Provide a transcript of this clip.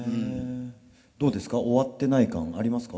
どうですか終わってない感ありますか？